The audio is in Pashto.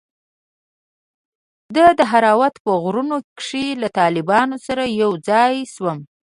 د دهراوت په غرونو کښې له طالبانو سره يوځاى سوم.